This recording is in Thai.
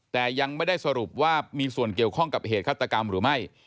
แต่ยังไม่ได้สรุปว่ามีส่วนเกี่ยวข้องกับเหตุฆาตกรรมหรือไม่